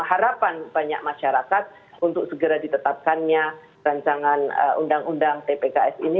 harapan banyak masyarakat untuk segera ditetapkannya rancangan undang undang tpks ini